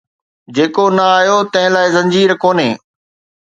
جيڪو نه آيو، تنهن لاءِ زنجير ڪونهي